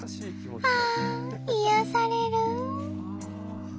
ああ癒やされる。